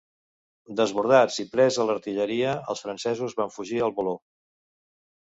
Desbordats i presa l'artilleria, els francesos van fugir al Voló.